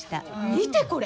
見てこれ。